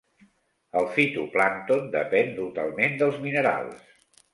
El fitoplàncton depèn totalment dels minerals.